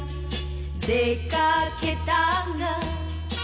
「出掛けたが」